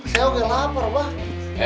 saya oke lapar abah